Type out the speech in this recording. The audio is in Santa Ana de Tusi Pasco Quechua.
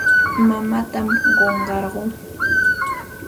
Mamaatam qunqarquu.